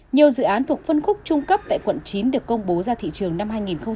nhiều dự án thuộc phân khúc trung cấp tại quận chín được công bố ra thị trường năm hai nghìn một mươi chín